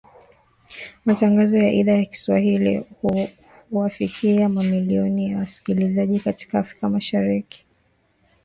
Matangazo ya Idhaa ya Kiswahili huwafikia mamilioni ya wasikilizaji katika Afrika Mashariki.